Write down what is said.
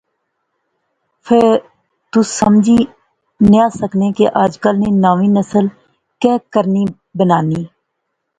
فہ تس سمجھی نیا سکنے کہ اجکل نی ناویں نسل کہہ کرنی بنانی